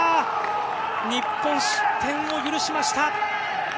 日本、失点を許しました。